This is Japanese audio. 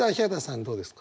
どうですか？